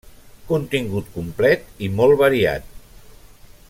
Contingut complet i molt variat.